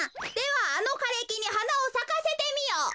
「ではあのかれきにはなをさかせてみよ」。